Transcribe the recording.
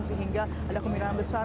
sehingga ada kemineran besar